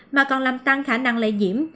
mà còn làm tăng khả năng lây nhiễm